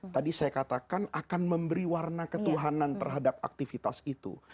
tadi saya katakan akan memberi warna ketuhanan terhadap aktivitas itu